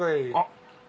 あっ！